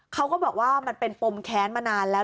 เขาก็บอกว่ามันเป็นปมแค้นมานานแล้ว